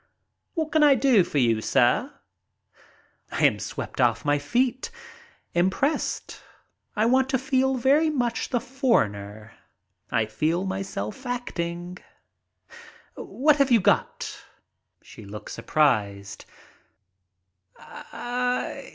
"What can I do for you, sir?" I am swept off my feet. Impressed. I want to feel very much the foreigner. I find myself acting. "What have you got?" She looks surprised.